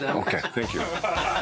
サンキュー。